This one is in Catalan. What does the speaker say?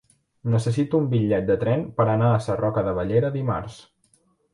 Necessito un bitllet de tren per anar a Sarroca de Bellera dimarts.